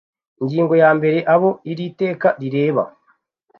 Ingingo ya mbere Abo iri teka rireba